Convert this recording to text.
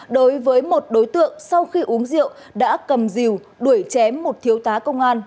đối với một đối tượng sau khi uống rượu đã cầm dìu đuổi chém một thiếu tá công an